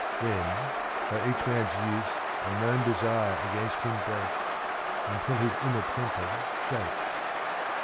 Then, by each man's use Unknown desire against him breaks Until his inner temple shakes.